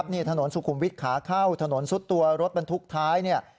นี่ถนนสุขุมวิทย์ขาเข้าถนนซุดตัวรถบรรทุกท้ายเนี่ย